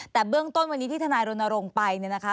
แต่เบื้องต้นวันนี้ที่ทนายรณรงค์ไปเนี่ยนะคะ